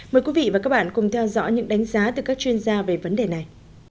mời quý vị và các bạn cùng theo dõi những đánh giá từ các chuyên gia về vấn đề này